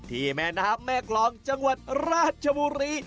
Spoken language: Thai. แม่น้ำแม่กรองจังหวัดราชบุรี